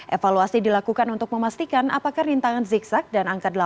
evaluasi dilakukan untuk memastikan apakah rintangan zigzag dan angka delapan